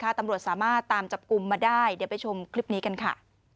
ตำรวจสามารถตามจับกลุ่มมาได้เดี๋ยวไปชมคลิปนี้กันค่ะ